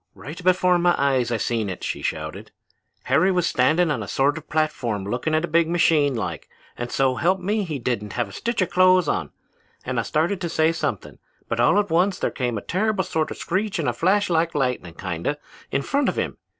"'Right before my eyes, I seen it,' she shouted. 'Harry was standing on a sort of platform looking at a big machine like, and so help me he didn't have a stitch of clothes on, and I started to say something, but all at once there came a terrible sort of screech and a flash like lightnin' kinda, in front of him.